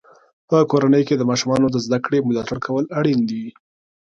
په کورنۍ کې د ماشومانو د زده کړې ملاتړ کول اړین دی.